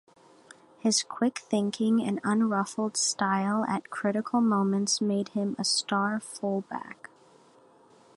His quick thinking and unruffled style at critical moments made him a star full-back.